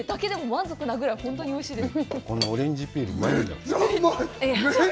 満足なぐらい、本当においしいです。